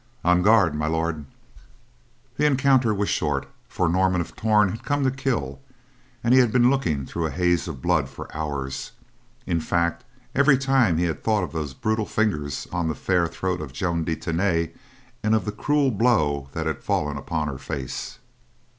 En garde, My Lord!" The encounter was short, for Norman of Torn had come to kill, and he had been looking through a haze of blood for hours—in fact every time he had thought of those brutal fingers upon the fair throat of Joan de Tany and of the cruel blow that had fallen upon her face.